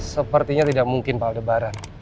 sepertinya tidak mungkin pak aldi barang